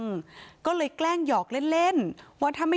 พนักงานในร้าน